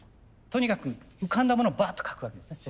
とにかく浮かんだものをバーッと描くわけですね。